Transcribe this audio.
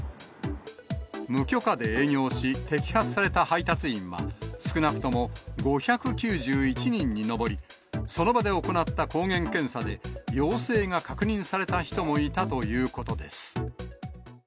無許可で営業し、摘発された配達員は少なくとも５９１人に上り、その場で行った抗原検査で陽性が確認された人もいたということです。